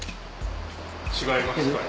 違いますか？